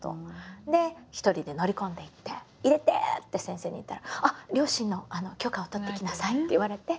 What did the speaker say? で一人で乗り込んでいって「入れて」って先生に言ったら「両親の許可を取ってきなさい」って言われて。